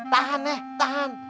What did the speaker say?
tahan ya tahan